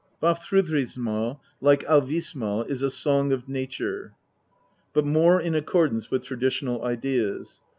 Vafjmijmismal, like Alvissmal, is a song of nature, but more in accordance with traditional ideas.